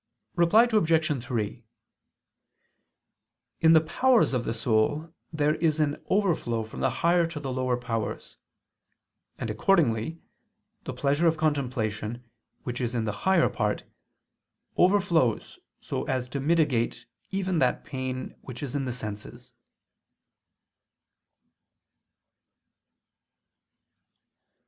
Reply Obj. 3: In the powers of the soul there is an overflow from the higher to the lower powers: and accordingly, the pleasure of contemplation, which is in the higher part, overflows so as to mitigate even that pain which is in the senses.